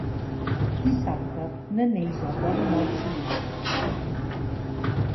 Dissabte na Neida vol anar al cinema.